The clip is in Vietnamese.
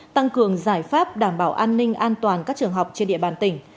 tăng cường giải pháp đảm bảo an ninh an toàn các trường học trên địa bàn tỉnh